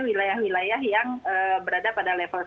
wilayah wilayah yang berada pada level satu